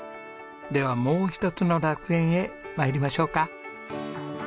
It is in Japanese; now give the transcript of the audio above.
ではもう一つの楽園へ参りましょうか。